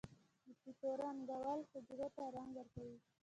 د بافتو رنگول حجرو ته رنګ ورکوي.